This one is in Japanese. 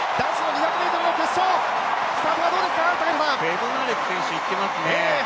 ベドナレク選手いってますね。